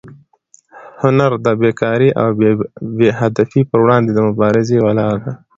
هنر د بېکارۍ او بې هدفۍ پر وړاندې د مبارزې یوه لاره ده.